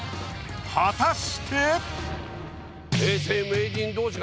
果たして。